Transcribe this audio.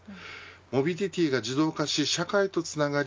モビリティが自動化し社会とつながり